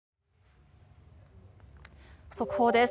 速報です。